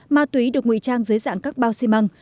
ma túy được ngụy trang dưới dạng các bao xi măng